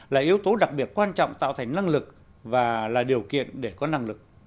là yếu tố đặc biệt quan trọng tạo thành năng lực và là điều kiện để có năng lực